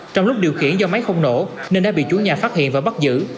trong lúc điều khiển do máy không nổ nên đã bị chủ nhà phát hiện và bắt giữ